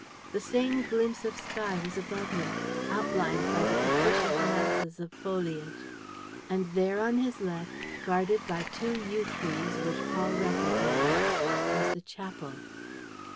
The same glimpse of sky was above him, outlined by the capricious masses of foliage. And there, on his left, guarded by two yew trees which Paul recognized, was the chapel.